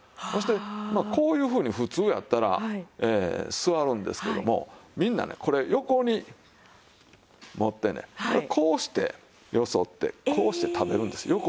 そしてまあこういうふうに普通やったら座るんですけどもみんなねこれ横に持ってねこうしてよそってこうして食べるんです。